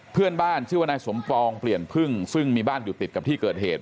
เพื่อนบ้านชื่อว่านายสมปองเปลี่ยนพึ่งซึ่งมีบ้านอยู่ติดกับที่เกิดเหตุ